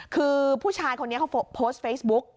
คือผู้ชายคนนี้เขาโพสต์เฟซบุ๊ก